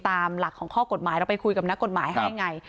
ตามหลักของข้อกฎหมายเราไปคุยกับนักกฎหมายให้ไง